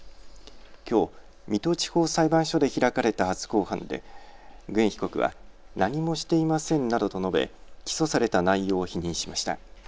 きょう水戸地方裁判所で開かれた初公判でグエン被告は何もしていませんなどと述べ起訴された内容を否認しました。